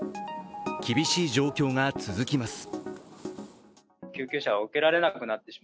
厳しい状況が続きます。